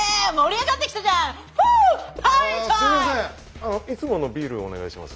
あのいつものビールをお願いします。